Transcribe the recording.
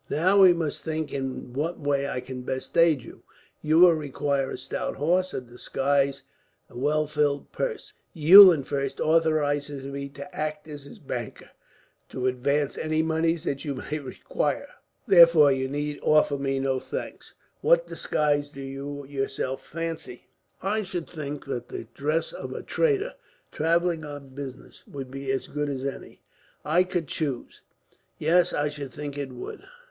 "Now we must think in what way I can best aid you. You will require a stout horse, a disguise, and a well filled purse. Eulenfurst authorizes me to act as his banker, to advance any moneys that you may require. Therefore you need offer me no thanks. "What disguise do you, yourself, fancy?" "I should think that the dress of a trader, travelling on business, would be as good as any I could choose." "Yes, I should think it would."